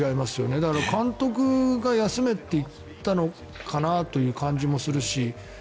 だから、監督が休めって言ったのかなという感じもするし。